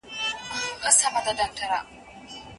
استادان په صنفونو کي د کورني ژوند لارښوونې کوي.